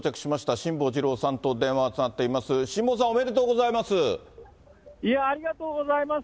辛坊さん、おめでとうございます。